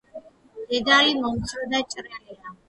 დედალი მომცრო და ჭრელია.